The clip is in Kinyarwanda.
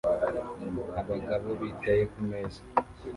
Abagabo bicaye kumeza